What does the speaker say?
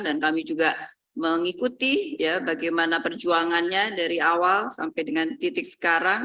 dan kami juga mengikuti bagaimana perjuangannya dari awal sampai dengan titik sekarang